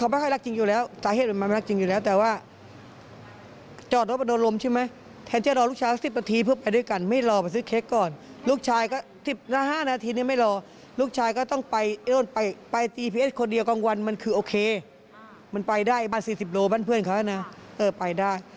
บ้าน๔๐โลเมตรบ้านเพื่อนเขานะเออไปได้